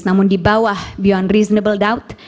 namun di bawah beyond reasonable doubt